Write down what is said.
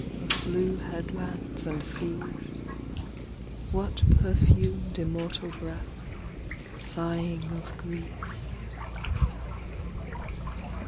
Of blue headlands and seas, What perfumed immortal breath sighing Of Greece.